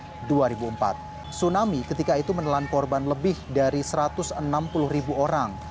tidak ada yang menanggung suatu tsunami ketika itu menelan korban lebih dari satu ratus enam puluh ribu orang